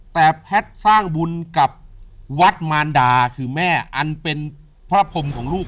แต่แพทย์สร้างบุญกับวัดมารดาคือแม่อันเป็นพระพรมของลูก